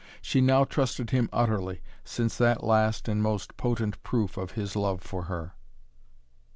She now trusted him utterly, since that last and most potent proof of his love for her.